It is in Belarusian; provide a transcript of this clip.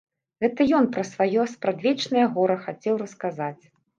Гэта ён пра сваё спрадвечнае гора хацеў расказаць.